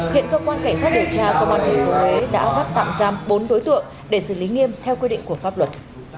hiện cơ quan cảnh sát điều tra công an thành phố huế đã gắt tạm giam bốn đối tượng để xử lý nghiêm theo quy định của pháp luật